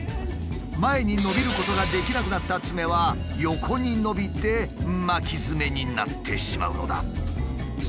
前に伸びることができなくなったツメは横に伸びて巻きヅメになってしまうのだ。